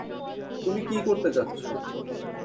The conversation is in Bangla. তুমি কি করতে চাচ্ছো?